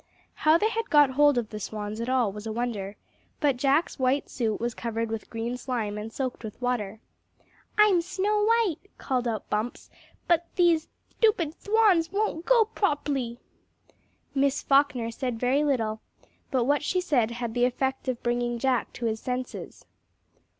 How they had got hold of the swans at all was a wonder, but Jack's white suit was covered with green slime and soaked with water. "I'm Snow White," called out Bumps, "but these thtupid thwans won't go prop'ly!" Miss Falkner said very little, but what she said had the effect of bringing Jack to his senses.